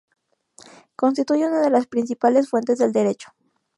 Constituye una de las principales fuentes del derecho.